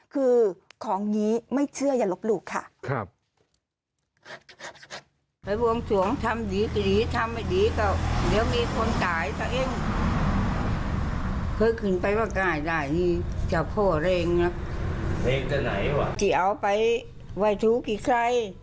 คือของนี้ไม่เชื่ออย่าลบหลู่ค่ะ